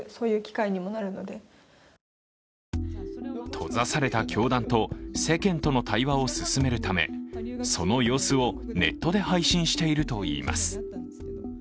閉ざされた教団と世間との対話を進めるためその様子をネットで配信しているといいます。